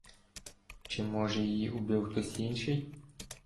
Чи, може, її убив хтось інший?